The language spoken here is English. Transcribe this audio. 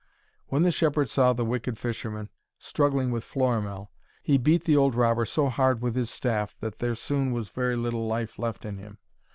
When the shepherd saw the wicked fisherman struggling with Florimell, he beat the old robber so hard with his staff that there soon was very little life left in him.